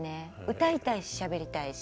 歌いたいししゃべりたいし。